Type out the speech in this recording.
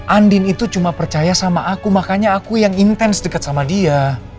andin itu cuma percaya sama aku makanya aku yang intens dekat sama dia